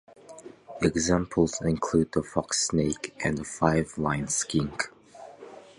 Examples include the fox snake and the five-lined skink.